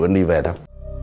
anh đi về thôi